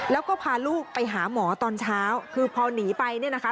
แล้วก็พาลูกไปหาหมอตอนเช้าคือพอหนีไปเนี่ยนะคะ